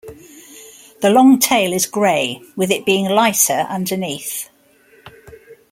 The long tail is gray with it being lighter underneath.